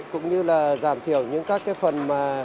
cũng như là giảm thiểu những phần